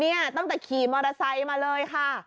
ตั้งแต่ขี่มอเตอร์ไซค์มาเลยค่ะ